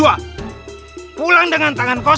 aku tak gimana nih aduh